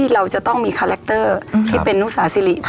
เราจะต้องมีคาแรคเตอร์ที่เป็นนุสาสิริ